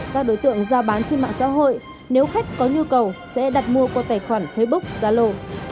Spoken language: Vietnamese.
các đối tượng ra bán trên mạng xã hội nếu khách có nhu cầu sẽ đặt mua qua tài khoản facebook zalo